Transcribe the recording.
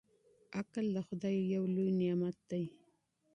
عقل د خدای يو لوی نعمت دی.